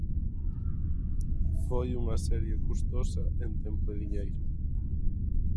Foi unha serie custosa en tempo e diñeiro.